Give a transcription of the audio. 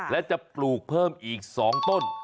และจะปลูกเพิ่มอีก๒ต้น